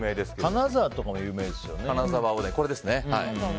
金沢も有名ですよね。